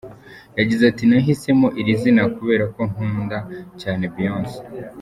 Yagize ati "Nahisemo iri zina kubera ko nkunda cyane, Beyonce.